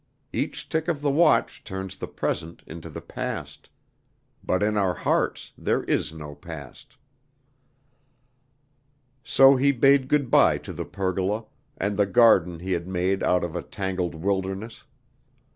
Each tick of the watch turns the present into the past. But in our hearts there is no past." So he bade good by to the pergola, and the garden he had made out of a tangled wilderness.